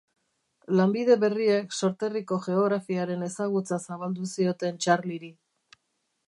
Lanbide berriek sorterriko geografiaren ezagutza zabaldu zioten Charlyri.